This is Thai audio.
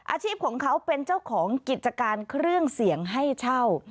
อาชีพของเขาเป็นเจ้าของกิจการเครื่องเสียงให้เช่า